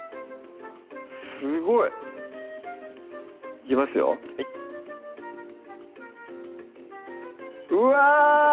すごいいきますよはいうわ！